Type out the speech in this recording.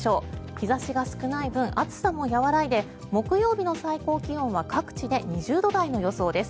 日差しが少ない分暑さも和らいで木曜日の最高気温は各地で２０度台の予想です。